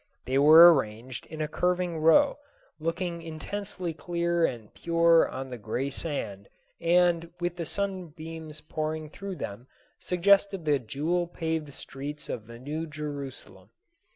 They were arranged in a curving row, looking intensely clear and pure on the gray sand, and, with the sunbeams pouring through them, suggested the jewel paved streets of the New Jerusalem.